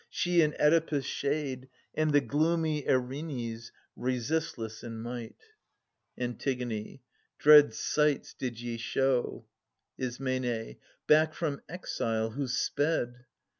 — She, and Oedipus' shade, and the gloomy Erinnys resistless in might. (Ant.) Ant. Dread sights did ye show — Is. Back from exile who sped.